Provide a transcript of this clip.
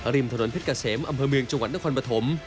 ริมถนนเพชรเกษมอำเภอเมืองจังหวัดนครปฐม